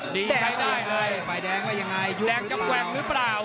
ดีใช้ได้ฝ่ายแดงว่ายังไงยุบหรือเปล่าถอดหรือไม่ครับ